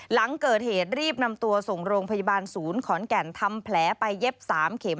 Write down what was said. หลังเกิดเหตุรีบนำตัวส่งโรงพยาบาลศูนย์ขอนแก่นทำแผลไปเย็บ๓เข็ม